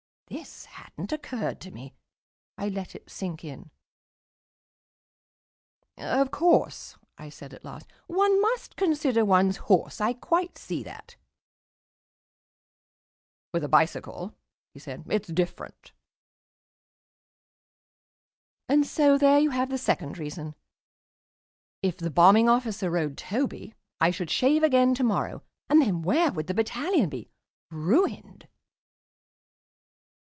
This hadn't occurred to me; I let it sink in. "Of course," I said at last, "one must consider one's horse. I quite see that." "With a bicycle," he said, "it's different." And so there you have the second reason. If the Bombing Officer rode Toby, I should shave again to morrow, and then where would the Battalion be? Ruined.